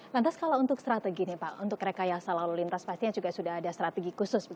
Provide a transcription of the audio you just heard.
lantas kalau untuk strategi nih pak untuk rekayasa lalu lintas pastinya juga sudah ada strategi khusus pak